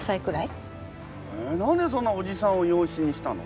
へえ何でそんなおじさんを養子にしたの？